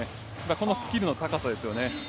このスキルの高さですよね。